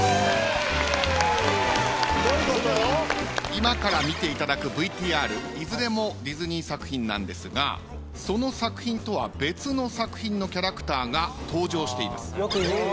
今から見ていただくＶＴＲいずれもディズニー作品なんですがその作品とは別の作品のキャラクターが登場しています。